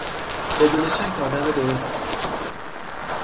بدون شک آدم درستی است.